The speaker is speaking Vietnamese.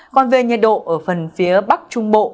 còn về nhiệt độ ở phần phía bắc trung bộ